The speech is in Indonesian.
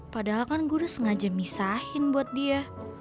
padahal kan gue udah sengaja misahin buat dia